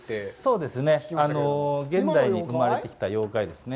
そうですね、現代に生まれてきた妖怪ですね。